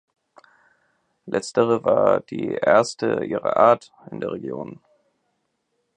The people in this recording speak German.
Letztere war die erste ihrer Art in der Region.